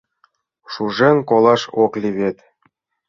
Шужен колаш ок лий вет.